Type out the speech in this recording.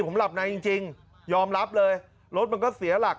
ผมหลับในจริงยอมรับเลยรถมันก็เสียหลัก